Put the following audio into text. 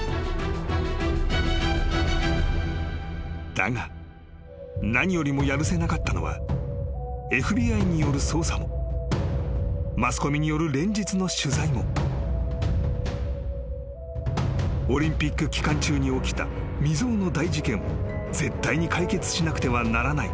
［だが何よりもやるせなかったのはＦＢＩによる捜査もマスコミによる連日の取材もオリンピック期間中に起きた未曽有の大事件を絶対に解決しなくてはならない］